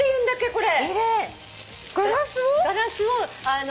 これ。